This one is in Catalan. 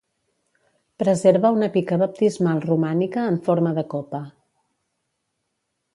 Preserva una pica baptismal romànica en forma de copa.